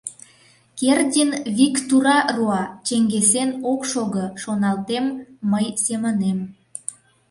«Кердин вик тура руа, чеҥгесен ок шого», — шоналтем мый семынем.